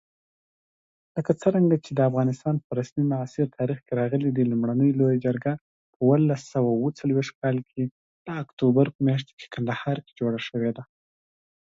Jones formed a bookend at defensive end with Reggie White.